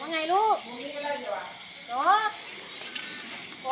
อ๋อมันอะไรลูก